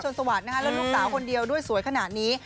สวัสดิ์นะคะแล้วลูกสาวคนเดียวด้วยสวยขนาดนี้